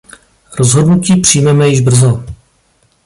Rozhodnutí přijmeme již brzo.